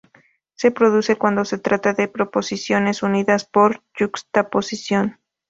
Se produce cuando se trata de proposiciones unidas por yuxtaposición.